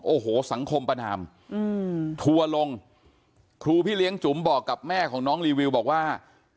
โอ้โหสังคมประนามทัวร์ลงครูพี่เลี้ยงจุ๋มบอกกับแม่ของน้องรีวิวบอกว่า